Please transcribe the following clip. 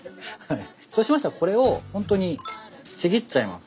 そうしましたらこれを本当にちぎっちゃいます。